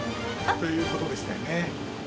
ということでしたよね。